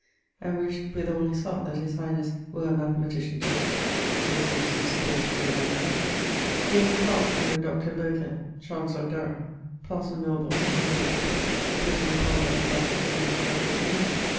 and wished 'with all his heart that his highnesse were a mathematician too': this was since he was supposed to be a Roman Catholic. He was a clarke under Dr. Burghill, Chancellor of Durham. Parson Milbourne, in the Bishoprick, putt him upon the Mathematiques, and instructed him in it.